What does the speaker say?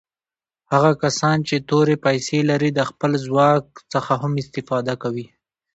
هغه کسان چې تورې پیسي لري د خپل ځواک څخه هم استفاده کوي.